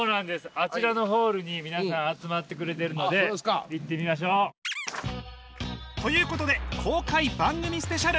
あちらのホールに皆さん集まってくれてるので行ってみましょう！ということで公開番組スペシャル！